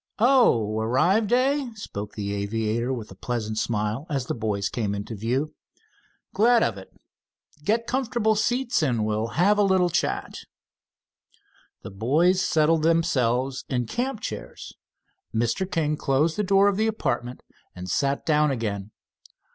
"Oh, arrived, eh?" spoke the aviator with a pleasant smile, as the boys came into view. "Glad of it. Get comfortable seats and we'll have a little chat." The boys settled themselves in camp chairs, Mr. King closed the door of the apartment and sat down again.